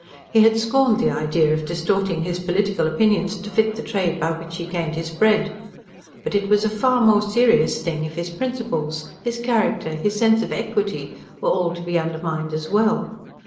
He had scorned the idea of distorting his political opinions to fit the trade by which he gained his bread. But it was a far more serious thing if his principles, his character, his sense of equity were all to be undermined as well.